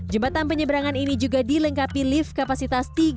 jembatan penyeberangan ini juga dilengkapi lift kapasitas tiga